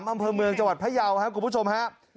อำเภอเมืองจังหวัดพยาวครับคุณผู้ชมครับ